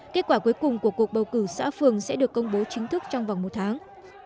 kết quả cuối cùng của cuộc bầu cử xã phường sẽ được công bố chính thức trong vòng một tháng